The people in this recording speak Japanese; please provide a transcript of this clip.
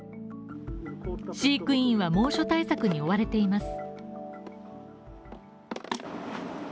飼育員は猛暑対策に追われています。